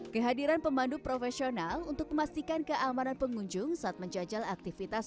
kehadiran pemandu profesional untuk memastikan keamanan pengunjung saat menjajal aktivitas